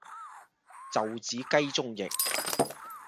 袖子雞中翼